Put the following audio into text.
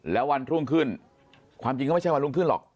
แล้ววันรุ่งขึ้นความจริงก็ไม่ใช่วันรุ่งขึ้นหรอก